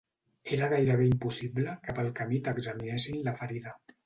Era gairebé impossible que pel camí t'examinessin la ferida